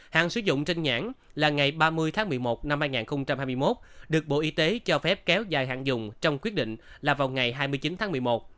hạn sử dụng trên nhãn là ngày ba mươi tháng một mươi một năm hai nghìn hai mươi một được bộ y tế cho phép kéo dài hạn dùng trong quyết định là vào ngày hai mươi chín tháng một mươi một